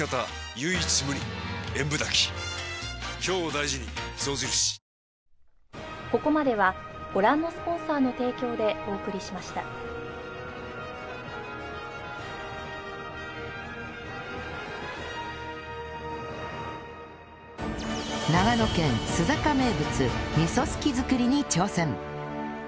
なにこの展開長野県須坂名物みそすき作りに挑戦！